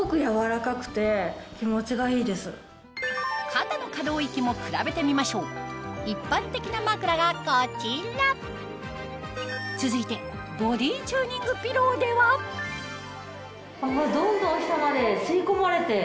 肩の可動域も比べてみましょう一般的な枕がこちら続いてボディーチューニングピローではどんどん下まで吸い込まれて。